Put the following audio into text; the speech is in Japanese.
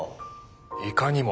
いかにも。